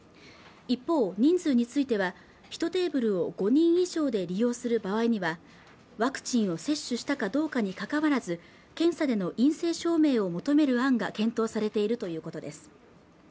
一方人数については１テーブルを５人以上で利用する場合にはワクチンを接種したかどうかにかかわらず検査での陰性証明を求める案が検討されているということです